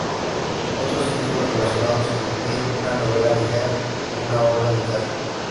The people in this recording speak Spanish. Otros títulos relacionados incluyen una novela ligera y una obra de teatro.